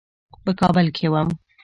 په کابل کې وم.